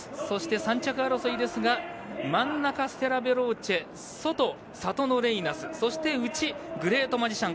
３着争いです真ん中、ステラヴェローチェ外、サトノレイナスそして内、グレートマジシャン